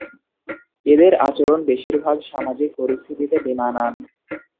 এদের আচরণ বেশিরভাগ সামাজিক পরিস্থিতিতে বেমানান।